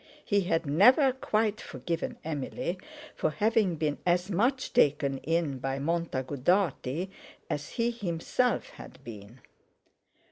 He had never quite forgiven Emily for having been as much taken in by Montague Dartie as he himself had been.